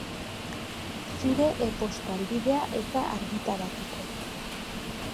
Zure e-posta helbidea ez da argitaratuko